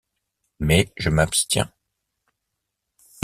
Mais je m’abstiens.